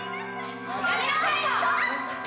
やめなさいよ！